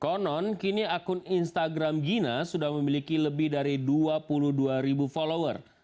konon kini akun instagram gina sudah memiliki lebih dari dua puluh dua ribu follower